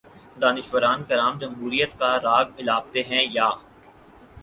دانشوران کرام جمہوریت کا راگ الاپتے ہیں یا